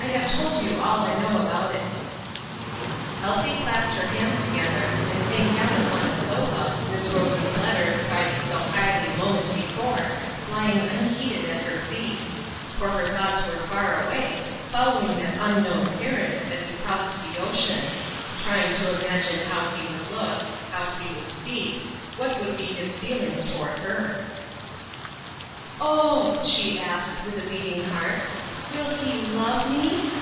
"I have told you all I know about it." Elsie clasped her hands together, and sank down upon a sofa, Miss Rose's letter, prized so highly a moment before, lying unheeded at her feet; for her thoughts were far away, following that unknown parent as he crossed the ocean; trying to imagine how he would look, how he would speak, what would be his feelings toward her. "Oh!" she asked, with a beating heart, "will he love me?